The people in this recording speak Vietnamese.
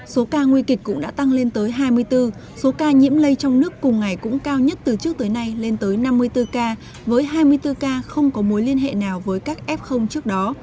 số ca nguy kịch cũng đã tăng lên tới hai mươi bốn số ca nhiễm lây trong nước cùng ngày cũng cao nhất từ trước tới nay lên tới năm mươi bốn ca với hai mươi bốn ca không có mối liên hệ nào với các f trước đó